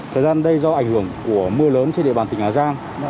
thời gian đây do ảnh hưởng của mưa lớn trên địa bàn tỉnh hà giang